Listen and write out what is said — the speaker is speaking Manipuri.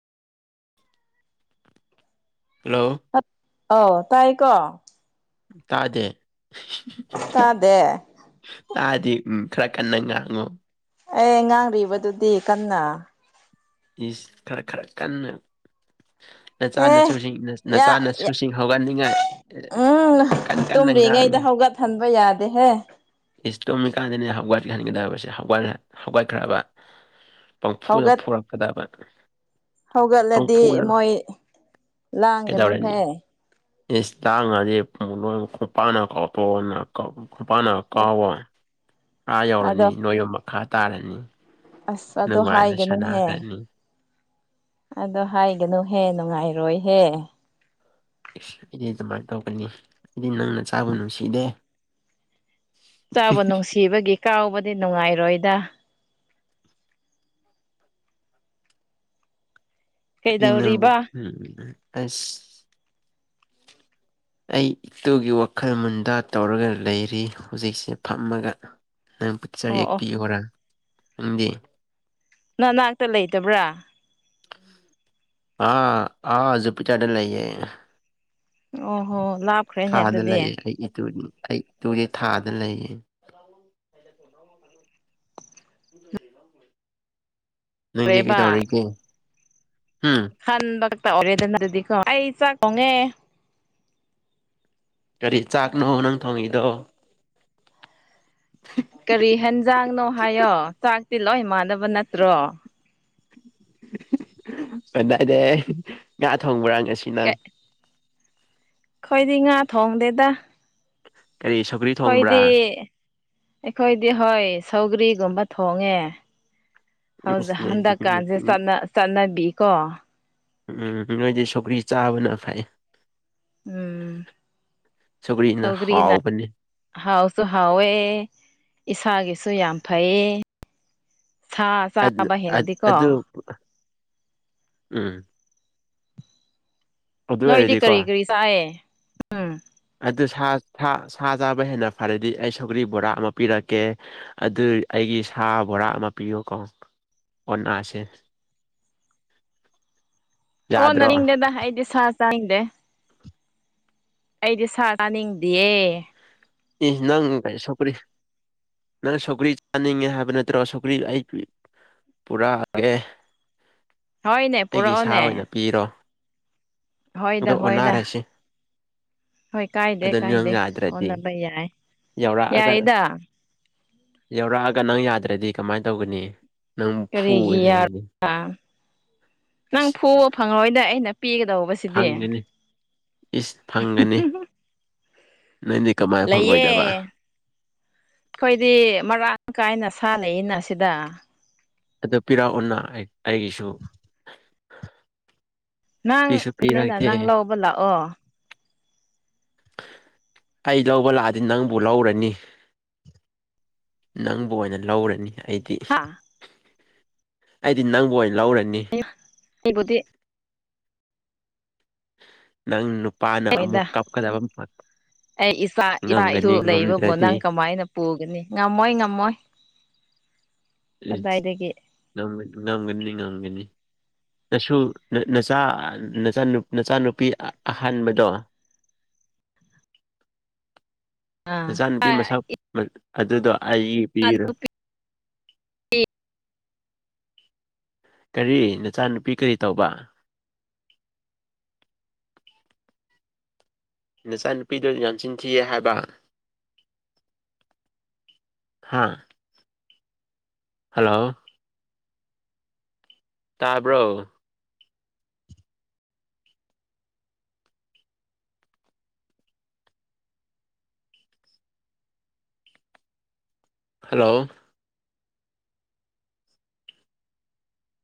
ꯍꯜꯂꯣ ꯑ ꯇꯥꯏꯀꯣ ꯇꯥꯗꯦ ꯇꯥꯗꯦ ꯇꯥꯗꯤ ꯎꯝ ꯈꯔ ꯀꯟꯅ ꯉꯥꯡꯉꯣ ꯑꯦ ꯉꯥꯡꯔꯤꯕꯗꯨꯗꯤ ꯀꯟꯅ ꯈꯔ ꯈꯔ ꯀꯟꯅ ꯍꯦ ꯅꯆꯥꯅꯁꯨꯁꯤꯡ ꯌꯥ ꯅꯆꯥꯅꯁꯨꯁꯤꯡ ꯍꯧꯒꯠꯅꯤꯡꯉꯥꯏ ꯀꯟ ꯀꯟꯅ ꯉꯥꯡꯉꯤ ꯈꯟꯕ ꯌꯥꯗꯦꯍꯦ ꯏꯁꯇꯣꯝꯃꯤꯀꯥꯟꯗꯅꯦ ꯍꯋꯥꯏꯠ ꯍꯥꯏꯕꯁꯦ ꯍꯋꯥ ꯍꯋꯥꯠꯈ꯭ꯔꯕ ꯄꯪꯐꯨꯅ ꯍꯧꯒꯠ ꯐꯨꯔꯛꯀꯗꯕ ꯍꯧꯒꯠꯂꯗꯤ ꯄꯪꯐꯨꯗ ꯃꯣꯏ ꯂꯥꯡꯒꯅꯤꯍꯦ ꯏꯟꯁꯇꯥ ꯉꯥꯗꯤ ꯄꯨꯡ ꯂꯣꯏ ꯈꯣꯡꯄꯥꯟꯅ ꯀꯥꯎꯄꯣꯛ ꯑꯣꯏꯅ ꯈꯄꯅ [unintelligible] ꯀꯥꯎꯕ ꯑꯥ ꯑꯗꯣ ꯌꯧꯔꯅꯤ ꯅꯣꯏ ꯌꯣꯟ ꯃꯈꯥ ꯇꯥꯔꯅꯤ ꯑꯁ ꯑꯗꯣ ꯅꯨꯡꯉꯥꯏꯅ ꯍꯥꯏꯒꯅꯨꯍꯦ ꯁꯥꯟꯅꯈ꯭ꯔꯅꯤ ꯑꯗꯣ ꯍꯥꯏꯒꯅꯨꯍꯦ ꯅꯨꯡꯉꯥꯏꯔꯣꯏꯍꯦ ꯏꯁ ꯏꯗꯤ ꯑꯗꯨꯃꯥꯏꯅ ꯇꯧꯒꯅꯤ ꯑꯩꯗꯤ ꯅꯪꯅ ꯆꯥꯕ ꯅꯨꯡꯁꯤꯗꯦ ꯆꯥꯕ ꯅꯨꯡꯁꯤꯕꯒꯤ ꯀꯥꯎꯕꯗꯤ ꯅꯨꯡꯉꯥꯏꯔꯣꯏꯗ ꯄꯤꯅꯪꯕꯨ ꯀꯩꯗꯧꯔꯤꯕ ꯎꯝ ꯑꯁ ꯑꯩ ꯏꯇꯨꯒꯤ ꯋꯥꯈꯜ ꯃꯨꯟꯗꯥ ꯇꯧꯔꯒ ꯂꯩꯔꯤ ꯍꯧꯖꯤꯛꯁꯦ ꯐꯝꯃꯒ ꯑꯠꯆ ꯑꯣ ꯑꯣ ꯌꯦꯛꯄꯤ ꯍꯣꯔꯥ ꯅꯪꯗꯤ ꯅꯅꯥꯛꯇ ꯂꯩꯇꯕ꯭ꯔꯥ ꯑꯥ ꯑꯥ ꯖꯨꯄꯤꯇ꯭ꯔꯗ ꯂꯩꯌꯦ ꯑꯣꯍꯣ ꯂꯥꯞꯈ꯭ꯔꯦꯅꯦ ꯊꯥꯗ ꯑꯗꯨꯗꯤ ꯂꯩꯑꯦ ꯑꯩ ꯏꯇꯨ ꯑꯩ ꯏꯇꯨꯗꯤ ꯊꯥꯗ ꯂꯩꯌꯦ [unintelligible] ꯅꯪꯗꯤ ꯀꯩ ꯀꯔꯦꯕ ꯇꯧꯔꯛꯒꯦ ꯎꯝ ꯍꯟ ꯇ ꯑꯣꯔꯦꯗꯗꯤ ꯀꯣ ꯑꯩ ꯆꯥꯛ ꯀꯣꯉꯦ ꯀꯔꯤ ꯆꯥꯛꯅꯣ ꯅꯪ ꯊꯣꯡꯉꯤꯗꯣ ꯀꯔꯤ ꯍꯟꯖꯥꯡꯅꯣ ꯍꯥꯏꯌꯣ ꯆꯥꯛꯇꯤ ꯂꯣꯏ ꯃꯥꯟꯅꯕ ꯅꯠꯇ꯭ꯔꯣ ꯀꯗꯥꯏꯗ ꯉꯥ ꯊꯣꯡꯕ꯭ꯔꯥ ꯉꯁꯤ ꯅꯪ ꯀꯩ ꯑꯩꯈꯣꯏꯗꯤ ꯉꯥ ꯊꯣꯡꯗꯦꯗ ꯀꯔꯤ ꯁꯧꯒꯔꯤ ꯍꯣꯏꯗꯤ ꯑꯩꯈꯣꯏꯗꯤ ꯍꯣꯏ ꯁꯧꯒ꯭ꯔꯤꯒꯨꯝꯕ ꯊꯣꯡꯉꯦ ꯍꯧꯖꯤꯛ ꯍꯟꯗꯛꯀꯥꯟꯁꯦ ꯆꯠꯅ ꯆꯠꯅꯕꯤ ꯀꯣ ꯎꯝ ꯅꯣꯏꯗꯤ ꯁꯧꯀ꯭ꯔꯤ ꯆꯥꯕꯅ ꯐꯩ ꯎꯝ ꯁꯒꯔꯤꯅ ꯁꯧꯒ꯭ꯔꯤꯅ ꯍꯥꯎꯕꯅꯤ ꯍꯥꯎꯁꯨ ꯍꯥꯎꯋꯦ ꯏꯁꯥꯒꯤꯁꯨ ꯌꯥꯝ ꯐꯩꯌꯦ ꯁꯥ ꯑꯗꯨ ꯆꯥꯕ ꯍꯦꯟꯅꯗꯤꯀꯣ ꯑꯗꯨ ꯎꯝ ꯑꯗꯨ ꯅꯣꯏꯗꯤ ꯑꯣꯏꯔꯗꯤꯀꯣ ꯀꯔꯤ ꯀꯔꯤ ꯆꯥꯏꯌꯦ ꯎꯝ ꯑꯗꯨ ꯁꯥ ꯆꯥꯕ ꯍꯦꯟꯅ ꯐꯔꯗꯤ ꯑꯩ ꯁꯧꯒ꯭ꯔꯤ ꯕꯣꯔꯥ ꯑꯃ ꯄꯤꯔꯛꯀꯦ ꯑꯗꯨ ꯑꯩꯒꯤ ꯁꯥ ꯕꯣꯔꯥ ꯑꯃ ꯄꯤꯌꯨꯀꯣ ꯑꯣꯅꯥꯁꯦ ꯑꯣ ꯅꯔꯤꯗꯦꯗ ꯑꯩꯗꯤ ꯁꯥ ꯆꯗꯦ ꯑꯩꯗꯤ ꯁꯥ ꯆꯥꯅꯤꯡꯗꯤꯌꯦ ꯏ ꯅꯪ ꯀꯥꯏ ꯁꯣꯄꯔꯤ ꯅꯪ ꯁꯣꯀ꯭ꯔꯤ ꯆꯥꯅꯤꯡꯉꯦ ꯍꯥꯏꯕ ꯅꯠꯇ꯭ꯔꯣ ꯁꯣꯀ꯭ꯔꯤ ꯑꯩ ꯄꯨꯔꯛꯑꯒꯦ ꯍꯣꯏꯅꯦ ꯑꯩꯒꯤ ꯁ ꯑꯣꯏꯅ ꯄꯨꯔꯛꯑꯣꯅꯦ ꯄꯤꯔꯣ ꯍꯣꯏꯗ ꯑꯗꯣ ꯍꯣꯏꯗ ꯑꯣꯟꯅꯔꯁꯤ ꯍꯣꯏ ꯀꯥꯏꯗꯦ ꯀꯥꯏꯗꯦ ꯑꯣꯟꯅꯕ ꯌꯥꯏ ꯌꯥꯧꯔꯛꯑꯒ ꯌꯥꯏꯗ ꯌꯥꯧꯔꯛꯑꯒ ꯅꯪ ꯌꯥꯗ꯭ꯔꯗꯤ ꯀꯃꯥꯏꯅ ꯇꯧꯒꯅꯤ ꯅꯪ ꯀꯔꯤꯒꯤ ꯐꯨꯒꯅꯤ ꯑꯩꯗꯤ [unintelligible] ꯅꯪ ꯏꯁ ꯐꯨꯕ ꯐꯪꯂꯉꯣꯏꯗ ꯑꯩꯅ ꯄꯤꯒꯗꯧꯕꯁꯤꯗꯤ ꯐꯪꯒꯅꯤ ꯏꯁ ꯐꯪꯒꯅꯤ ꯅꯅꯤ ꯂꯩꯌꯦ ꯑꯩꯈꯣꯏꯗꯤ ꯃꯔꯥꯡ ꯀꯥꯏꯅ ꯁꯥꯟꯅꯏꯅ ꯁꯤꯗ ꯑꯗꯨ ꯄꯤꯔꯛꯑꯣꯅ ꯑꯩ ꯑꯩꯒꯤꯁꯨ ꯄꯤꯁꯨ ꯅꯪꯅ ꯄꯤꯔꯛꯇꯦ ꯅꯪ ꯂꯧꯕ ꯂꯥꯛꯑꯣ ꯑꯩ ꯂꯧꯕ ꯂꯥꯛꯑꯗꯤ ꯅꯪꯕꯨ ꯂꯧꯔꯅꯤ ꯅꯪꯕꯨ ꯑꯣꯏꯅ ꯂꯧꯔꯅꯤ ꯑꯩꯗꯤ ꯍꯥꯥ ꯑꯩꯗꯤ ꯅꯪꯕꯨ ꯑꯣꯏ ꯂꯧꯔꯅꯤ ꯑꯩꯕꯨꯗꯤ ꯅꯪ ꯅꯨꯄꯥꯅ ꯍꯣꯏꯗ ꯑꯃꯨꯛ ꯀꯞꯀꯗꯕ ꯑꯩ ꯏꯆꯥ ꯏꯆꯥ ꯏꯁꯨ ꯉꯝꯒꯅꯤ ꯂꯩꯕꯕꯨ ꯉꯝꯗ꯭ꯔꯗꯤ ꯅꯪ ꯀꯃꯥꯏꯅ ꯄꯨꯒꯅꯤ ꯉꯝꯃꯣꯏ ꯉꯝꯃꯣꯏ ꯀꯗꯥꯏꯗꯒꯤ ꯉꯝꯒꯅꯤ ꯉꯝꯒꯅꯤ ꯅꯁꯨ ꯅꯆꯥ ꯅꯆꯥꯅꯨꯄꯤ ꯑꯍꯥꯟꯕꯗꯣ [unintelligible] ꯏꯆꯥꯅꯨꯄꯤ ꯑꯥ ꯃꯁꯛ ꯑꯗꯨꯗꯣ ꯑꯩꯒꯤ ꯄꯤꯔꯣ [unintelligible] ꯀꯔꯤ ꯅꯆꯥꯅꯨꯄꯤ ꯀꯔꯤ ꯇꯧꯕ ꯅꯦꯆꯥ ꯅꯨꯄꯤꯗ ꯌꯥꯝ ꯆꯤꯟ ꯊꯤꯑ ꯍꯥꯏꯕ ꯍꯥꯥ ꯍꯜꯂꯣ ꯇꯥꯕ꯭ꯔꯣ ꯍꯜꯂꯣ